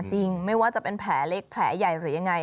ไม่ว่าจะเป็นแผลเล็กแผลใหญ่หรือยังไง